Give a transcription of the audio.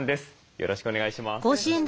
よろしくお願いします。